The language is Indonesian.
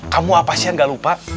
kamu apa sih yang gak lupa